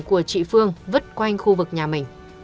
của chị phương vứt quanh khu vực nhà mình